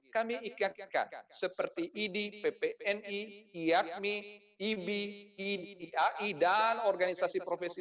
kami ikatkan seperti idi ppni iakmi ibi iai dan organisasi profesi